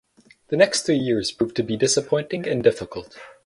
The next three years proved to be disappointing and difficult.